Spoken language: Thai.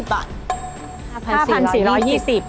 ๕พัน๔ร้อย๒๐